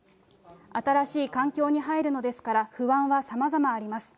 新しい環境に入るのですから、不安はさまざまあります。